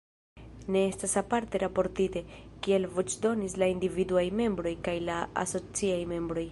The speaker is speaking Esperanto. Ne estas aparte raportite, kiel voĉdonis la individuaj membroj kaj la asociaj membroj.